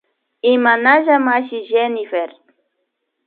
Imanalla mashi Jenyfer